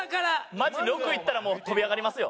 マジ６いったらもう跳び上がりますよ。